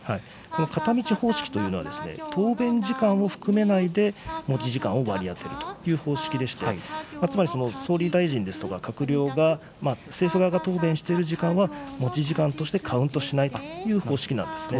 この片道方式というのはですね、答弁時間を含めないで持ち時間を割り当てるという方式でして、つまり、総理大臣ですとか閣僚が、政府側が答弁している時間は、持ち時間としてカウントしないという方式なんですね。